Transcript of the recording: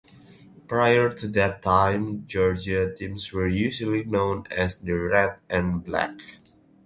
Prior to that time, Georgia teams were usually known as the Red and Black.